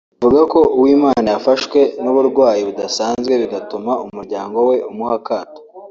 ivuga ko Uwimana yafashwe n’Uburwayi budasanzwe bigatuma umuryango we umuha akato